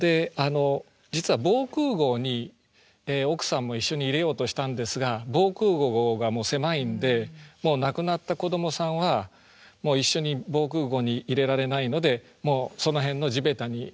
実は防空ごうに奥さんも一緒に入れようとしたんですが防空ごうが狭いんでもう亡くなった子どもさんは一緒に防空ごうに入れられないのでその辺の地べたに置いたと。